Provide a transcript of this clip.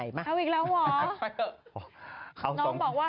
เอาก่อนกันกันก่อนนะ